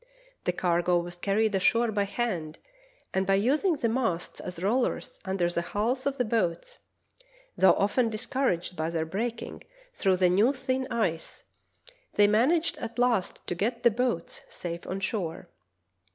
The cargo was carried ashore by hand, and by using the masts as rollers under the hulls of the boats — though often discouraged by their breaking through the new, thin ice — they managed at last to get the boats safe on shore.